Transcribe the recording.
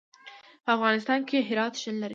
په افغانستان کې هرات شتون لري.